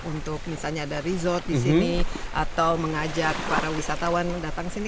untuk misalnya ada resort di sini atau mengajak para wisatawan datang sini